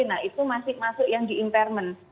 nah itu masih masuk yang diimpermen